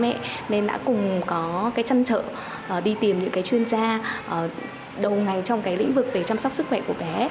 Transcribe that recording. bác sĩ và bố mẹ đã cùng chăn trợ đi tìm những chuyên gia đầu ngành trong lĩnh vực chăm sóc sức khỏe của bé